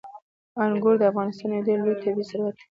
انګور د افغانستان یو ډېر لوی طبعي ثروت دی.